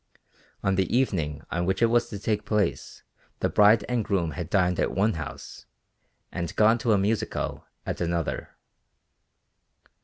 On the evening on which it was to take place the bride and groom had dined at one house, and gone to a musicale at another.